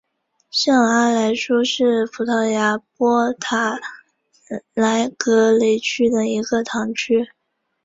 圣阿莱舒是葡萄牙波塔莱格雷区的一个堂区。